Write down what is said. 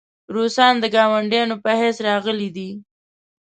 روسان د ګاونډیانو په حیث راغلي دي.